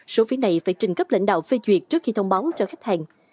số phí này phải trình cấp lãnh đạo phê duyệt trước khi thông báo cho khách hàng